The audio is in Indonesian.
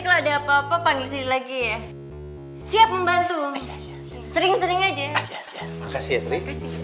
kalau ada apa apa panggil sini lagi ya siap membantu sering sering aja makasih ya sering pasti